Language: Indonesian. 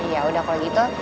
ya udah kalau gitu